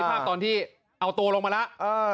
ภาพตอนที่เอาตัวลงมาแล้ว